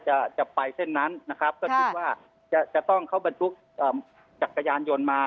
จะไปเส้นนั้นนะครับก็คิดว่าจะจะต้องเขาบรรทุกจักรยานยนต์มา